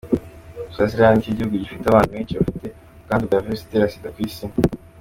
Swaziland nicyo gihugu gifite abantu benshi bafite ubwandu bwa virusi itera Sida ku Isi.